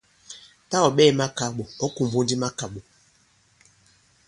Tâ ɔ̀ ɓɛɛ̄ makàɓò, ɔ̌ kùmbu ndi makàɓò.